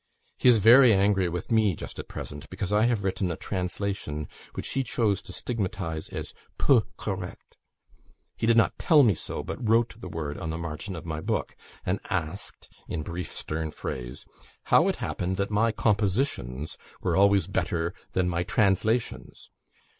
He is very angry with me just at present, because I have written a translation which he chose to stigmatize as 'peu correct.' He did not tell me so, but wrote the word on the margin of my book, and asked, in brief stern phrase, how it happened that my compositions were always better than my translations?